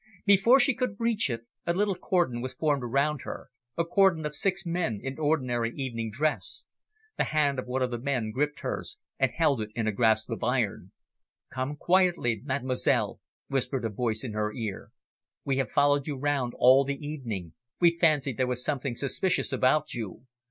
Before she could reach it, a little cordon was formed round her, a cordon of six men in ordinary evening dress. The hand of one of the men gripped hers, and held it in a grasp of iron. "Come quietly, mademoiselle," whispered a voice in her ear. "We have followed you round all the evening, we fancied there was something suspicious about you.